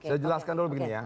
saya jelaskan dulu begini ya